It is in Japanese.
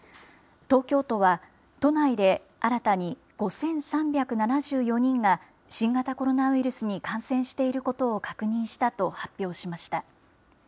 東京都は都内で新たに５３７４人が新型コロナウイルスに感染していることを確認したと発表しました。